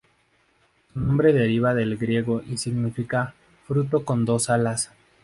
Su nombre deriva del griego y significa "fruto con dos alas".